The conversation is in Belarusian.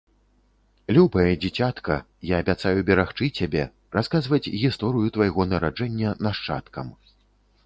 Любае дзіцятка, я абяцаю берагчы цябе, расказваць гісторыю твайго нараджэння нашчадкам.